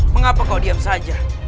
mengapa kau diam saja